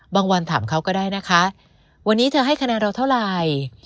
วันถามเขาก็ได้นะคะวันนี้เธอให้คะแนนเราเท่าไหร่